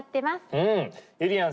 うん。